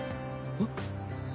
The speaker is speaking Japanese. えっ？